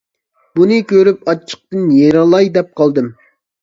بۇنى كۆرۈپ ئاچچىقتىن يېرىلاي دەپ قالدىم.